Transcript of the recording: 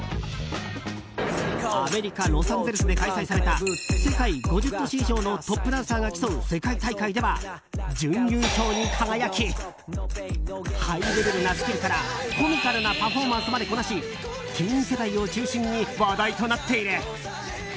アメリカ・ロサンゼルスで開催された世界５０都市以上のトップダンサーが競う世界大会では、準優勝に輝きハイレベルなスキルからコミカルなパフォーマンスまでこなしティーン世代を中心に話題となっている。